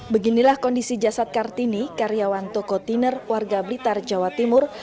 beginilah kondisi jasad kartini karyawan toko tiner warga blitar jawa timur